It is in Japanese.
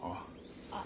あっ。